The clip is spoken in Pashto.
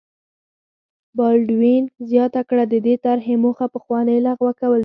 بالډوین زیاته کړه د دې طرحې موخه پخوانۍ لغوه کول دي.